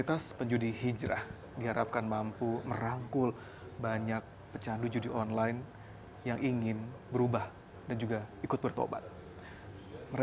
itu kurang lebih satu jam